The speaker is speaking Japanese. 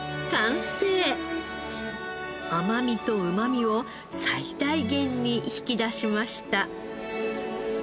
甘みとうまみを最大限に引き出しました。